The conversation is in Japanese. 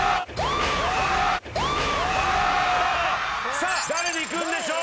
さあ誰にいくんでしょう！